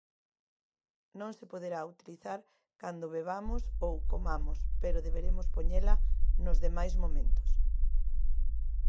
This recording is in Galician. Non se poderá utilizar cando bebamos ou comamos pero deberemos poñela nos demais momentos.